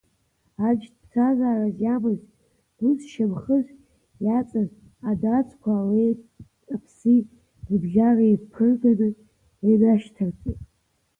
Аџь ԥсҭазаарас иамаз, гәыс шьамхыс иаҵаз адацқәа алеи-аԥси рыбжьара иԥыргганы инышьҭарҵеит.